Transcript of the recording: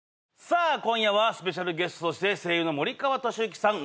さあ今夜はスペシャルゲストとして声優の森川智之さん